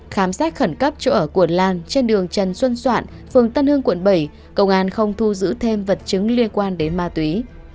khám xét khẩn cấp chỗ ở của lan trên đường trần xuân soạn phường tân hương quận bảy công an không thu giữ thêm vật chứng liên quan đến ma túy